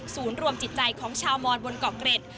ศูนย์รวมจิตใจของชาวมอนกว่ากเกร็ด